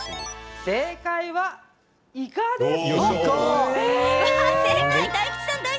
正解は、いかです。